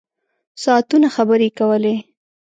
ساعتونه خبرې کولې.